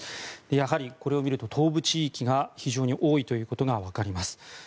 やはり、これを見ると東部地域が非常に多いことが分かります。